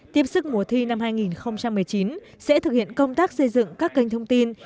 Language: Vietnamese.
tiếp sức mùa thi năm hai nghìn một mươi chín sẽ thực hiện công tác xây dựng các kênh thông tin